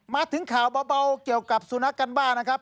มาถึงข่าวเบาเกี่ยวกับสุนัขกันบ้างนะครับ